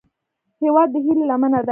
هیواد د هیلې لمنه ده